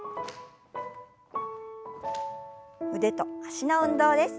腕と脚の運動です。